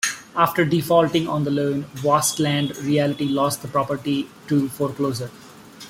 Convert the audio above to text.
After defaulting on the loan, Vastland Realty lost the property to foreclosure.